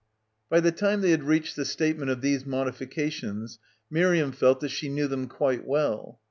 By the time they had reached the statement of these modifications Miriam felt that she knew them quite well.